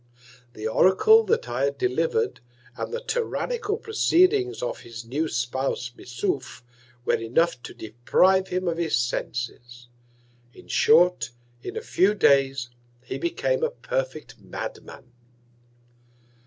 The Oracle that I had deliver'd, and the tyrannical Proceedings of his new Spouse Missouf, were enough to deprive him of his Senses. In short, in a few Days he became a perfect Mad man.